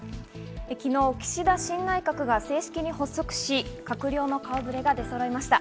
昨日、岸田新内閣が正式に発足し、閣僚の顔ぶれが出そろいました。